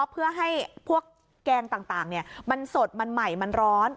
เพื่อให้พวกแกงต่างมันสดมันใหม่มันร้อน